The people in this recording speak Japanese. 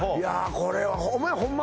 これはお前ホンマ